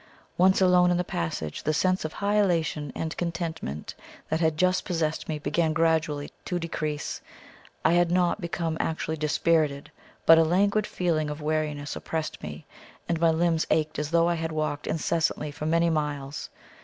Once alone in the passage, the sense of high elation and contentment that had just possessed me began gradually to decrease. I had not become actually dispirited, but a languid feeling of weariness oppressed me, and my limbs ached as though I had walked incessantly for many miles.